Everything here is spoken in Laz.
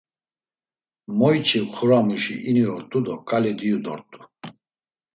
Moyçi xuramuşi ini ort̆u do ǩali diyu dort̆u.